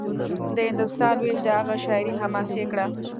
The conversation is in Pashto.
د هندوستان وېش د هغه شاعري حماسي کړه